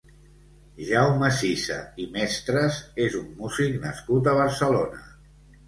Jaume Sisa i Mestres és un músic nascut a Barcelona.